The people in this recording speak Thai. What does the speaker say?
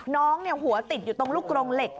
หัวติดอยู่ตรงลูกกรงเหล็ก